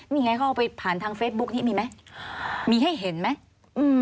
นี่ไงเขาเอาไปผ่านทางเฟซบุ๊กนี้มีไหมมีให้เห็นไหมอืม